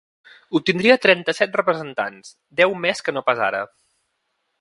Obtindria trenta-set representants, deu més que no pas ara.